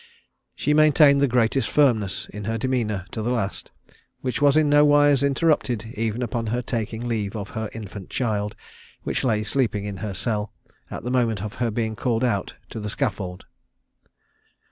She maintained the greatest firmness in her demeanour to the last, which was in no wise interrupted even upon her taking leave of her infant child, which lay sleeping in her cell, at the moment of her being called out to the scaffold.